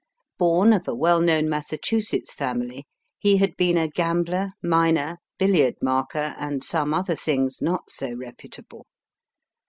Bom of a well known Massachusetts family he had been a gambler, miner, billiard marker, and some other things not so reput able.